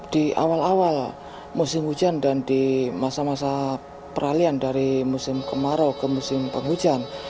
di awal awal musim hujan dan di masa masa peralian dari musim kemarau ke musim penghujan